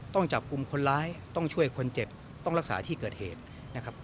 ต้องจับกลุ่มคนร้ายต้องช่วยคนเจ็บต้องรักษาที่เกิดเหตุนะครับ